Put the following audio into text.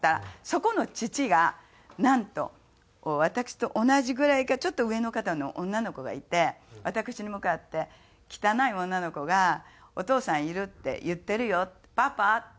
そこの父がなんと私と同じぐらいかちょっと上の方の女の子がいて私に向かって「汚い女の子が“お父さんいる？”って言ってるよパパ」って。